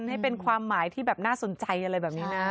ให้เป็นความหมายที่แบบน่าสนใจอะไรแบบนี้นะ